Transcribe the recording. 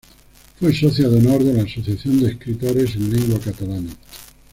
Fue socia de honor de la Asociación de Escritores en Lengua Catalana.